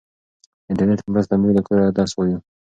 د انټرنیټ په مرسته موږ له کوره درس وایو.